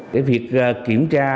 để việc kiểm tra